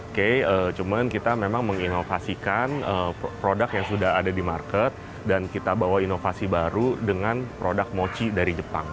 oke cuman kita memang menginovasikan produk yang sudah ada di market dan kita bawa inovasi baru dengan produk mochi dari jepang